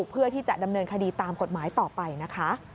เพื่อที่จะดำเนินคดีตามกฎหมายต่อไปนะคะ